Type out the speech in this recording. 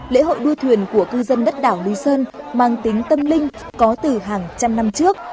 lễ hội đua thuyền của cư dân đất đảo lý sơn mang tính tâm linh có từ hàng trăm năm trước